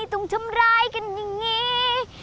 ต้องทำร้ายกันอย่างนี้